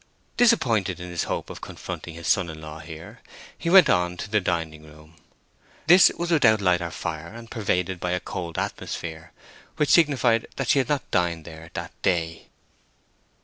Disappointed in his hope of confronting his son in law here, he went on to the dining room; this was without light or fire, and pervaded by a cold atmosphere, which signified that she had not dined there that day.